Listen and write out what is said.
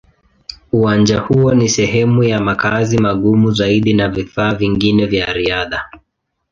Uwanja huo ni sehemu ya makazi magumu zaidi ya vifaa vingine vya riadha.